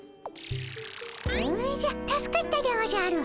おじゃ助かったでおじゃる。